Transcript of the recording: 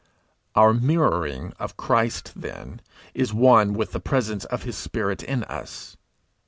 Our mirroring of Christ, then, is one with the presence of his spirit in us.